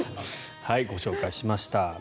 ご紹介しました。